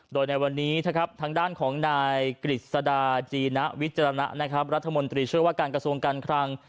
โดยในวันนี้ทางด้านของนายกฤษดาจีนวิจารณะรัฐมนตรีเชื่อว่าการกระทรวงการคลัง